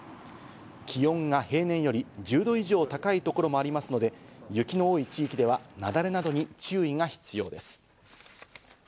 気温が平年より１０度以上高いところもありますので、雪の多い地域ではなだれなどに注意が必要です。